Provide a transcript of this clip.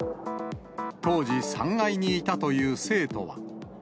当時、３階にいたという生徒は。